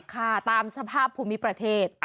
ค่ะตามสภาพภูมิประเทศ